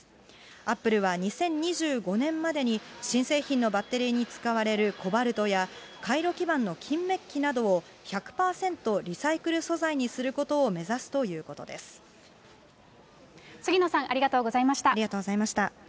アップルは２０２５年までに新製品のバッテリーに使われるコバルトや回路基板の金メッキなどを１００％リサイクル素材にすること杉野さん、ありがとうございありがとうございました。